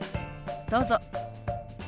どうぞ。